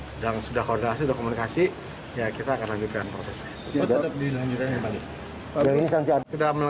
sedang sudah koordinasi sudah komunikasi ya kita akan lanjutkan prosesnya